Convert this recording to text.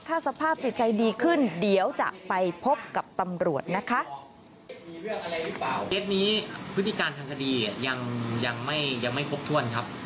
ถ้าสภาพจิตใจดีขึ้นเดี๋ยวจะไปพบกับตำรวจนะคะ